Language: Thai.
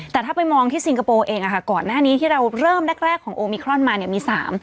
แต่ถ้าไปมองที่ซิงคโปร์เองก่อนหน้านี้ที่เราเริ่มแรกแรกของโอมิครอนมาเนี่ยมี๓